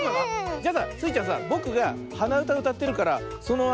じゃあさスイちゃんさぼくがはなうたうたってるからそのあいだにこれはめて。